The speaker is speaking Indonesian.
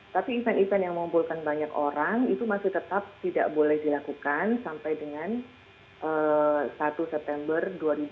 tapi event event yang mengumpulkan banyak orang itu masih tetap tidak boleh dilakukan sampai dengan satu september dua ribu dua puluh